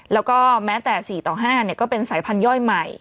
แล้วก็แม้แต่๔ต่อ๕ก็เป็นสายพันธย่อยใหม่